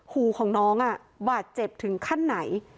หูของน้องบาดเจ็บถึงขั้นไหน